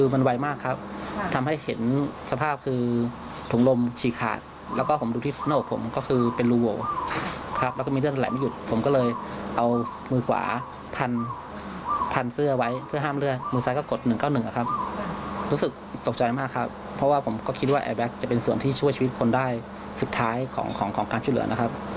ผมตกใจมากครับเพราะว่าผมก็คิดว่าแอร์แบ็คจะเป็นส่วนที่ช่วยชีวิตคนได้สุดท้ายของการช่วยเหลือนะครับ